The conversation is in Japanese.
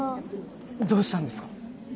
どうしたんですか？